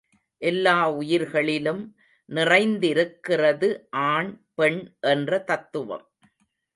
எல்லா உயிர்களிலும் நிறைந்திருக்கிறது ஆண், பெண் என்ற தத்துவம்.